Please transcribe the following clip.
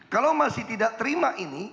kalau masih tidak terima ini